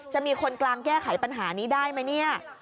จะมีคนกลางแก้ไขปัญหานี้ได้ไหมเนี่ย